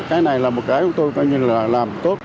cái này là một cái chúng tôi làm tốt